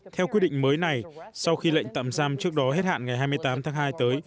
theo quyết định mới này sau khi lệnh tạm giam trước đó hết hạn ngày hai mươi tám tháng hai tới